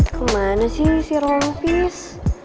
kemana sih si romfis